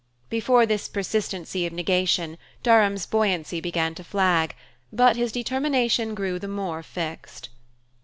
Before this persistency of negation Durham's buoyancy began to flag, but his determination grew the more fixed.